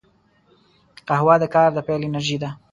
قهوه د کار د پیل انرژي ده